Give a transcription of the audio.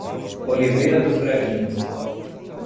Oliveira dos Brejinhos